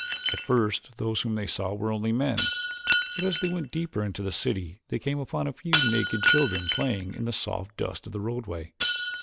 At first those whom they saw were only men, but as they went deeper into the city they came upon a few naked children playing in the soft dust of the roadway.